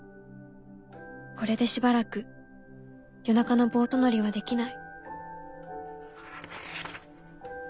これでしばらく夜中のボート乗りはできない」。